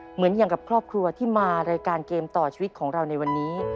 เหมือนอย่างกับครอบครัวที่มารายการเกมต่อชีวิตของเราในวันนี้